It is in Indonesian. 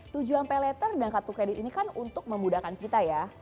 tujuan pay letter dan kartu kredit ini kan untuk memudahkan kita ya